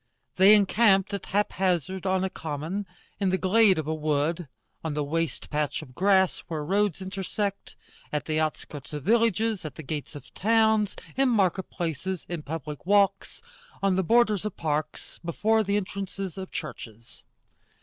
They encamped at haphazard on a common, in the glade of a wood, on the waste patch of grass where roads intersect, at the outskirts of villages, at the gates of towns, in market places, in public walks, on the borders of parks, before the entrances of churches.